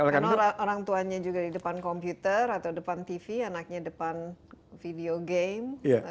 karena orangtuanya juga di depan komputer atau depan tv anaknya depan video game